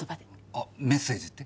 あメッセージって？